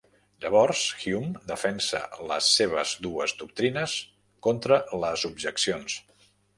Llavors, Hume defensa les seves dues doctrines contra les objeccions.